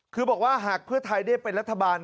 คือบอกว่าหากเพื่อไทยได้เป็นรัฐบาล